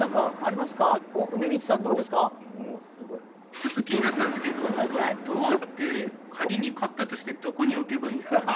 ちょっと気になったんですけどドアって仮に買ったとしてどこに置けばいいんですかね？